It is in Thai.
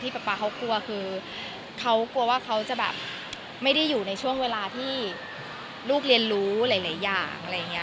ผมกลัวว่าป๊าเขาไม่ได้อยู่ช่วงเวลาที่ลูกเรียนรู้หลายอย่าง